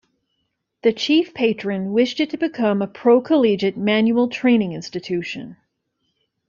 The chief patron wished it to become a pre-collegiate manual training institution.